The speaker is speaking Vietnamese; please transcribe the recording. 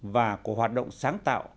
và của hoạt động sáng tạo